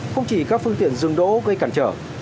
không chỉ các phương tiện dừng đỗ gây cản trở